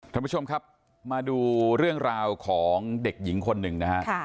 ท่านผู้ชมครับมาดูเรื่องราวของเด็กหญิงคนหนึ่งนะฮะ